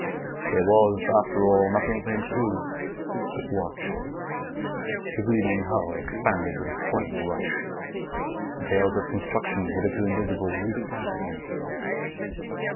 There was, after all, nothing for him to do but watch. The gleaming hull expanded with a swelling rush. Details of construction, hitherto invisible, leaped out at him.